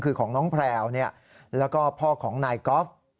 คือของน้องแพลวแล้วก็พ่อของนายกอล์ฟ